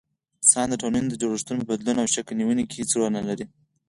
انسان د ټولني د جوړښتونو په بدلون او شکل نيوني کي هيڅ رول نلري